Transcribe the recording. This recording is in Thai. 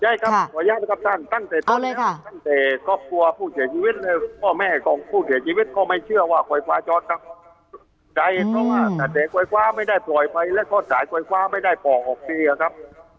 ใช่ครับขออนุญาตนะครับท่านตั้งแต่ต้นเลยค่ะตั้งแต่ครอบครัวผู้เสียชีวิตและพ่อแม่ของผู้เสียชีวิตก็ไม่เชื่อว่าไฟฟ้าจอดครับใจเพราะว่าแต่เด็กไฟฟ้าไม่ได้ปล่อยไปแล้วก็สายไฟฟ้าไม่ได้ป่องออกทีอะครับ